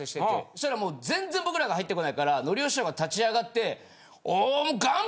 したらもう全然僕らが入ってこないからのりお師匠が立ち上がって。